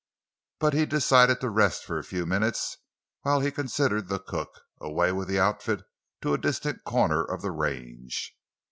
But he decided to rest for a few minutes while he considered the cook—away with the outfit to a distant corner of the range.